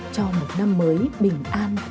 cho một năm mới bình an